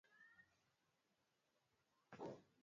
jorgic alishitakiwa kuhusika kwenye mauaji ya kimbari